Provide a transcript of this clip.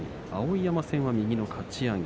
碧山戦は右のかち上げ。